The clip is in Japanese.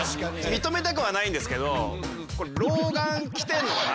認めたくないんですけど。